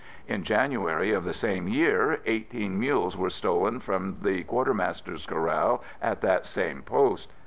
In January of the same year, eighteen mules were stolen from the Q.M. corral at that same post.